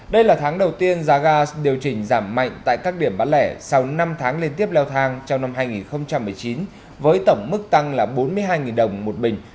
đây là tháng đầu tiên giá gas điều chỉnh giảm mạnh tại các điểm bán lẻ sau năm tháng liên tiếp leo thang trong năm hai nghìn một mươi chín với tổng mức tăng là bốn mươi hai đồng một bình